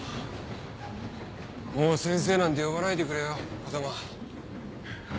もう「先生」なんて呼ばないでくれよ風真。